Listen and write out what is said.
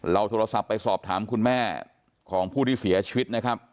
โทรศัพท์ไปสอบถามคุณแม่ของผู้ที่เสียชีวิตนะครับ